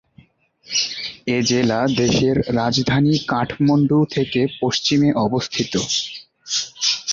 এ জেলা দেশের রাজধানী কাঠমান্ডু থেকে পশ্চিমে অবস্থিত।